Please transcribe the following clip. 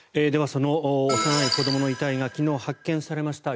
その幼い子どもの遺体が昨日、発見されました